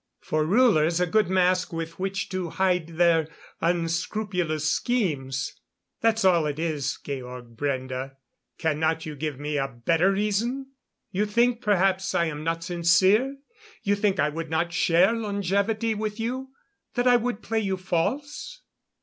For rulers, a good mask with which to hide their unscrupulous schemes. That's all it is, Georg Brende. Cannot you give me a better reason? You think perhaps I am not sincere? You think I would not share longevity with you that I would play you false?"